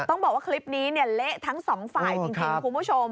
ต้องบอกว่าคลิปนี้เนี่ยเละทั้งสองฝ่ายจริงคุณผู้ชม